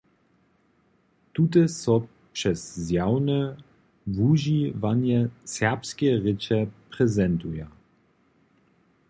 Tute so přez zjawne wužiwanje serbskeje rěče prezentuja.